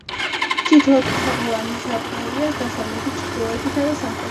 თითო თაღოვანი სარკმელია დასავლეთით, ჩრდილოეთითა და სამხრეთით.